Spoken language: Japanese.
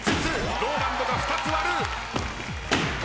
ＲＯＬＡＮＤが２つ割る。